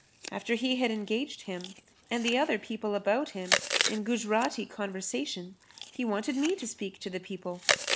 After he had engaged him and the other people about him in Gujrati conversation, he wanted me to speak to the people.